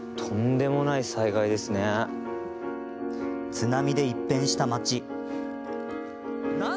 津波で、一変した町。